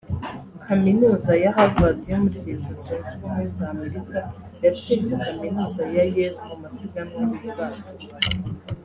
Kaminuza ya Harvard yo muri Leta Zunze Ubumwe za Amerika yatsinze kaminuza ya Yale mu masiganwa y’ubwato